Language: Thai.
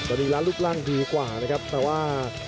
ตอนนี้ร้านรูปร่างดีกว่านะครับแต่ว่า